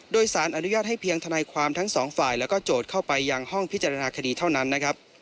โดยสารอนุญาตให้เพียงทนายความทั้งสองฝ่ายแล้วก็โจทย์เข้าไปยังห้องพิจารณาคดีเท่านั้นนะครับ